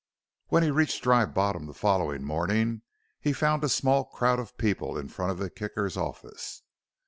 When he reached Dry Bottom the following morning he found a small crowd of people in front of the Kicker office.